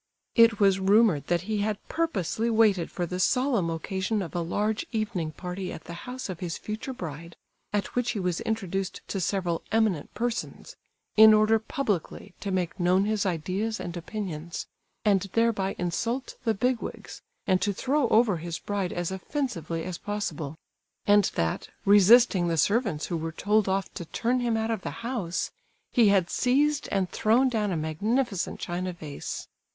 It was rumoured that he had purposely waited for the solemn occasion of a large evening party at the house of his future bride, at which he was introduced to several eminent persons, in order publicly to make known his ideas and opinions, and thereby insult the "big wigs," and to throw over his bride as offensively as possible; and that, resisting the servants who were told off to turn him out of the house, he had seized and thrown down a magnificent china vase.